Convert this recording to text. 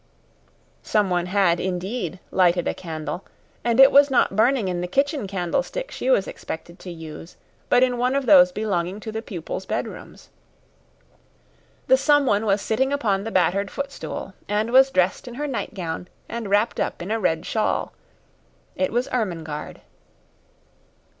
Someone had, indeed, lighted a candle, and it was not burning in the kitchen candlestick she was expected to use, but in one of those belonging to the pupils' bedrooms. The someone was sitting upon the battered footstool, and was dressed in her nightgown and wrapped up in a red shawl. It was Ermengarde.